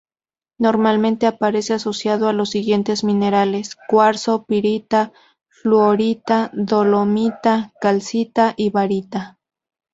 Normalmente aparece asociado a los siguientes minerales: cuarzo, pirita, fluorita, dolomita, calcita y barita.